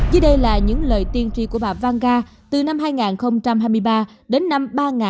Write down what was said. vì đây là những lời tiên tri của bà vanga từ năm hai nghìn hai mươi ba đến năm ba nghìn bảy trăm chín mươi bảy